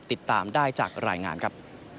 ติดตามได้จากรายงานครับ